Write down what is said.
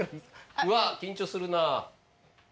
うわっ緊張するな。